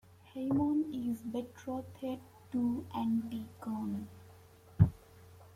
Haemon is betrothed to Antigone.